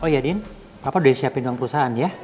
oh iya din papa udah siapin uang perusahaan ya